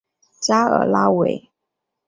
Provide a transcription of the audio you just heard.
加尔拉韦。